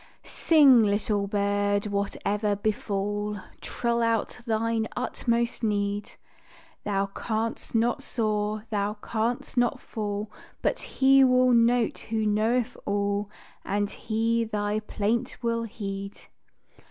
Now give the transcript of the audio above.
Sing, little bird, whate'er befall Trill out thine utmost need; Thou canst not soar, thou canst not fall But He will note who knoweth all, And He thy plaint will heed.